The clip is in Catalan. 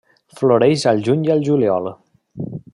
Floreix al juny i al juliol.